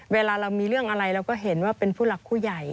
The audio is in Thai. เวลาเรามีเรื่องอะไรเราก็เห็นว่าเป็นผู้หลักผู้ใหญ่